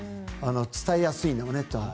伝えやすいんだよねと。